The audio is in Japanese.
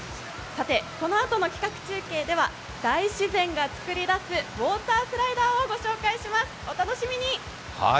さて、このあとの企画中継では大自然がつくり出すウォータースライダーをご紹介します、お楽しみに！